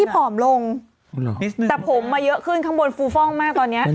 ผอมลงแต่ผมมาเยอะขึ้นข้างบนฟูฟ่องมากตอนนี้